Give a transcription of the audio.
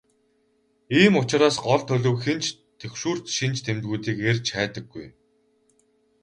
Ийм учраас гол төлөв хэн ч түгшүүрт шинж тэмдгүүдийг эрж хайдаггүй.